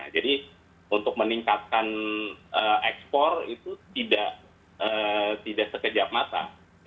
jadi untuk meningkatkan ekspor itu tidak sekejap masa